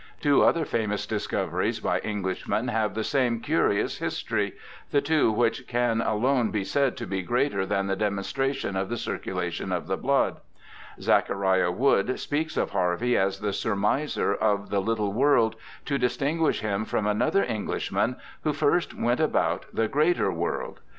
Two other famous discoveries by Englishmen have the same curious history— the two which can alone be said to be greater than the demon stration of the circulation of the blood. Zachariah 3i8 BIOGRAPHICAL ESSAYS Wood speaks of Harvey as the surmiser of the httle world, to distinguish him from another Enghshman who first went about the greater world.